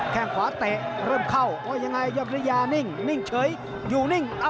แค่งขวาเตะเริ่มเข้าว่ายังไงยอดวิริยานิ่งนิ่งเฉยอยู่นิ่ง